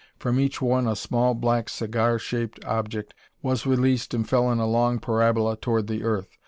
From each one a small black cigar shaped object was released and fell in a long parabola toward the earth.